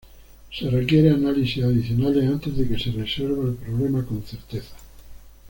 Se requiere análisis adicionales antes de que se resuelva el problema con certeza.